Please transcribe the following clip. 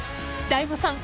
［大悟さん